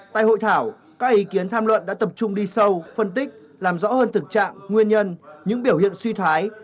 tại hội thảo các ý kiến tham luận đã tập trung đi sâu phân tích làm rõ hơn thực trạng nguyên nhân những biểu hiện suy thoái